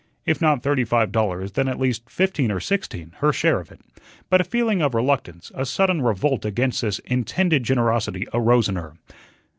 If not thirty five dollars, then at least fifteen or sixteen, her share of it. But a feeling of reluctance, a sudden revolt against this intended generosity, arose in her.